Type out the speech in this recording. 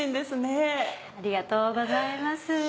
ありがとうございます。